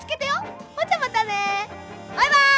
バイバイ！